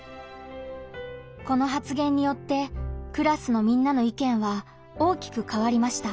この発言によってクラスのみんなの意見は大きく変わりました。